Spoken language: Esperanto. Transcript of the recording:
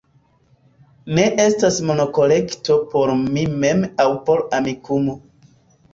Ne estas monkolekto por mi mem aŭ por Amikumu